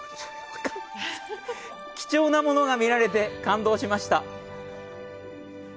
貴重なものが見られて感動しました。